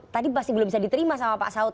tadi masih belum bisa diterima sama pak saud